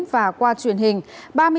và qua truyền hình